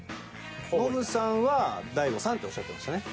ノブさんは大悟さんっておっしゃってましたね。